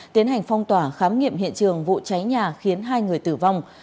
tiến hành phong tỏa khám nghiệm hiện trường vụ cháy nhà khiến hai người tử vong